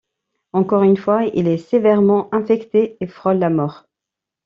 Encore une fois, il est sévèrement infecté et frôle la mort.